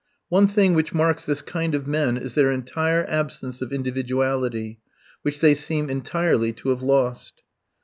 One thing which marks this kind of men is their entire absence of individuality, which they seem entirely to have lost.